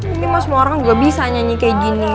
ini mah semua orang juga bisa nyanyi kayak gini